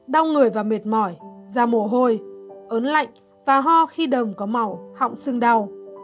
đau người và mệt mỏi da mồ hôi ớn lạnh và ho khi đồng có màu họng sưng đau